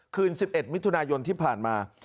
คืน๑๑มิถุนายนที่ผ่านมา